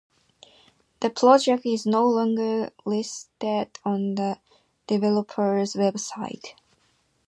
The project is no longer listed on the developer's website.